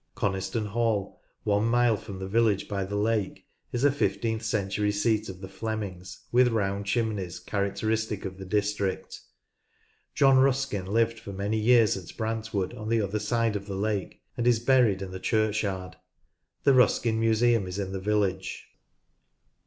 Coniston Hall, one mile from the village by the lake, is a fifteenth century seat of the Flemings, with round chimneys characteristic of the district. John Ruskin lived for many years at Brantwood, on the other side of the lake, and is buried in the churchyard. The Ruskin Museum is in the village, (pp.